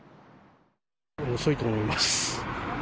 遅いと思います。